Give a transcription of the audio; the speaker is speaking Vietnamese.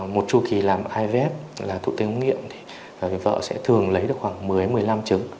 một chu kỳ làm ivf là thụ tinh hỗn nghiệm vợ sẽ thường lấy được khoảng một mươi một mươi năm trứng